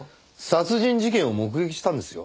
殺人事件を目撃したんですよ？